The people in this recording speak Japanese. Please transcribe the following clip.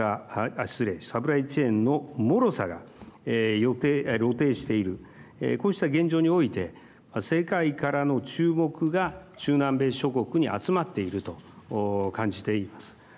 失礼、サプライチェーンのもろさが露呈しているこうした現状において世界からの注目が中南米諸国に集まっていると感じています。